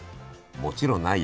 もちろんないよ。